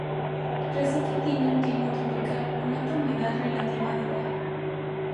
Recife tiene un clima tropical, con alta humedad relativa del aire.